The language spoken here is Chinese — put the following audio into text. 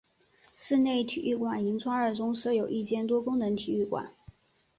室内体育馆银川二中设有一间多功能体育馆。